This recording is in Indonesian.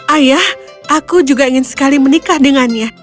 ayah aku juga ingin sekali menikah dengannya